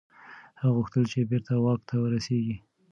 هغه غوښتل چي بیرته واک ته ورسیږي.